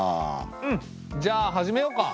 うんじゃあ始めようか。